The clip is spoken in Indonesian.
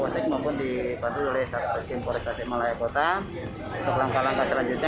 sekarang gimana tindak lanjutnya